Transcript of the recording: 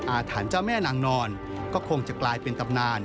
อาถรรพ์เจ้าแม่นางนอนก็คงจะกลายเป็นตำนาน